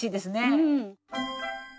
うん。